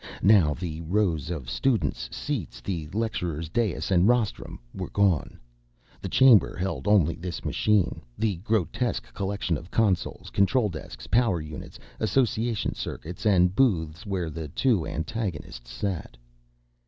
Now the rows of students' seats, the lecturer's dais and rostrum were gone. The chamber held only the machine, the grotesque collection of consoles, control desks, power units, association circuits, and booths where the two antagonists sat.